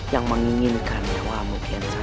yang menginginkan nyawa mu giansan